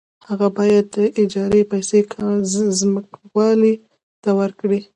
هغه باید د اجارې پیسې ځمکوال ته ورکړي